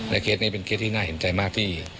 เคสนี้เป็นเคสที่น่าเห็นใจมากที่